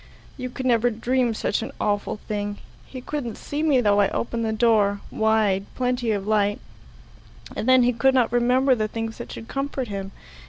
You could never dream such an awful thing. He couldn't see me though I opened the door wide plenty of light; and then he could not remember the things that should comfort him.